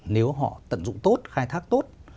nếu họ tận dụng tốt khai thác tốt